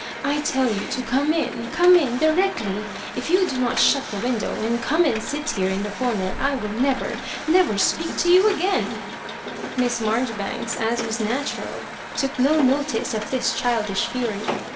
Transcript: I tell you to come in — come in directly 1 If you do not shut the window, and come and sit here in the comer I will never, never speak to you again 1" Miss Marjoribanks, as was natural, took no notice of this childish fury.